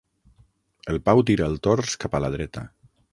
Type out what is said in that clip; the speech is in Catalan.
El Pau tira el tors cap a la dreta.